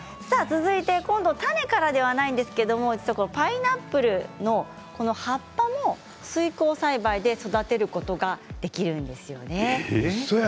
種からではないんですけれどもパイナップルの葉っぱも水耕栽培で育てることができるんですよね。